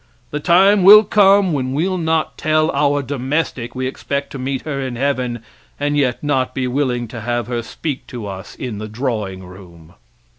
The time will come when we'll not tell our domestic we expect to meet her in heaven, and yet not be willing to have her speak to us in the drawing room.